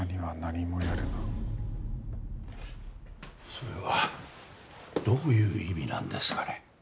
それはどういう意味なんですかね？